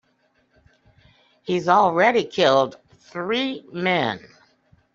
He's already killed three men.